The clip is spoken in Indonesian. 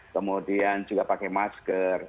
kemudian juga pakai masker